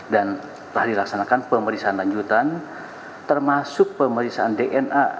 dan telah dilaksanakan pemeriksaan lanjutan termasuk pemeriksaan dna